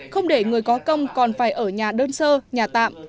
không để người có công còn phải ở nhà đơn sơ nhà tạm